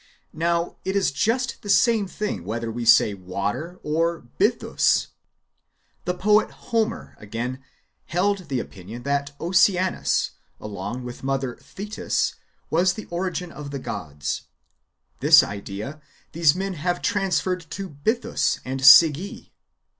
Now it is just the same thing whether we say icater or Bythiis. The poet Homer/ again, held the opinion that Oceanus, along with mother Thetis, was the origin of the gods : this idea these men have transferred to Bythus and Sige.